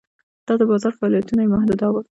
دا د بازار فعالیتونه یې محدوداوه.